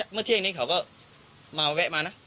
เมื่อเที่ยงนี้เขาก็มาแวะมานะ